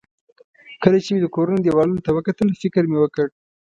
کله چې مې د کورونو دېوالونو ته وکتل، فکر مې وکړ.